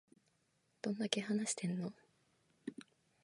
どんだけ話してんの